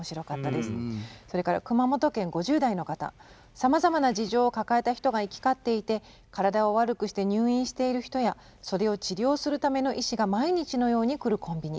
「様々な事情を抱えた人が行き交っていて体を悪くして入院している人やそれを治療するための医師が毎日のように来るコンビニ。